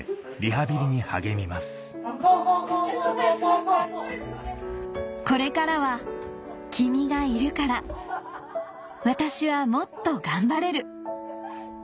・そうそう・これからは君がいるから私はもっと頑張れる！